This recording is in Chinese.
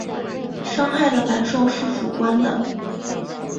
伤害的感受是主观的